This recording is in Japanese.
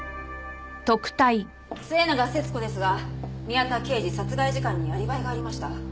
末永節子ですが宮田刑事殺害時間にアリバイがありました。